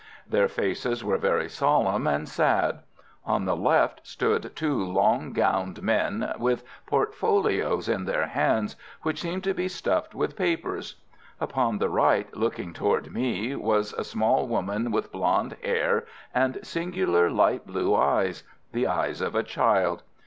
Their faces were very solemn and sad. On the left stood two long gowned men with portfolios in their hands, which seemed to be stuffed with papers. Upon the right, looking toward me, was a small woman with blonde hair and singular light blue eyes—the eyes of a child.